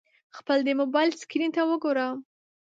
خپل د موبایل سکرین ته وګوره !